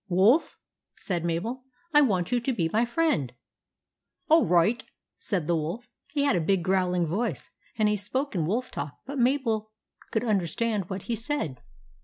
"Wolf," said Mabel, "I want you to be my friend !" lt All right," said the wolf. He had a big growling voice, and he spoke in wolf talk, but Mabel could understand what he said.